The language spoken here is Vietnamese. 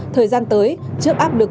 thời gian tới trước áp lực